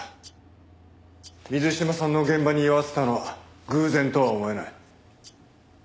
水島さんの現場に居合わせたのは偶然とは思えない。